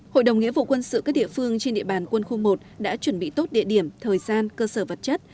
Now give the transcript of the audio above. hội đồng nghĩa vụ quân sự các địa phương trên địa bàn quân khu một đã chuẩn bị tốt địa điểm thời gian cơ sở vật chất